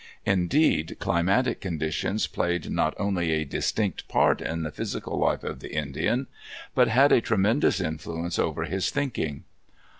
Indeed, climatic conditions played not only a distinct part in the physical life of the Indian, but had a tremendous influence over his thinking.